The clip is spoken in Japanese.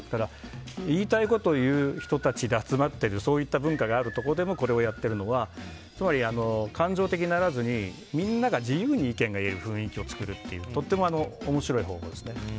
言いたいことを言う人たちで集まっているそういった文化があるところでもこれをやっているのはつまり感情的にならずにみんなが自由に意見できる雰囲気を作るっていうとても面白い方法ですね。